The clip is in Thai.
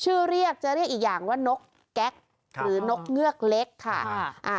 เรียกจะเรียกอีกอย่างว่านกแก๊กหรือนกเงือกเล็กค่ะอ่า